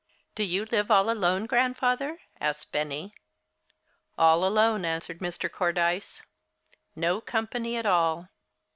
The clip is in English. "Do you live all alone, Grandfather?" asked Benny. "All alone," answered Mr. Cordyce. "No company at all."